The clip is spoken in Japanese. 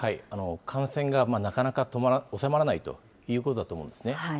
感染がなかなか収まらないということだと思うんですね。